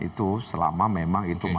itu selama memang itu